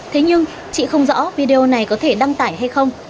thế nhưng chị không rõ video này có thể đăng tải hay không